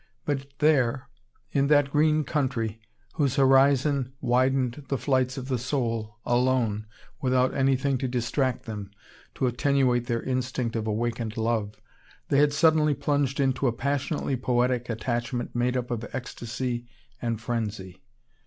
But there, in that green country, whose horizon widened the flights of the soul, alone, without anything to distract them, to attenuate their instinct of awakened love, they had suddenly plunged into a passionately poetic attachment made up of ecstasy and frenzy.